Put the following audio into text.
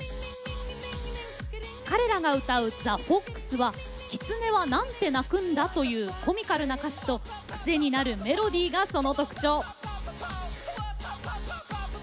彼らが歌う「ＴｈｅＦｏｘ」は「キツネは何て鳴くんだ？」というコミカルな歌詞と癖になるメロディーが、その特徴。